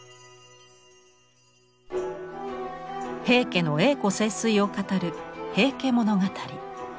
平家の栄枯盛衰を語る「平家物語」。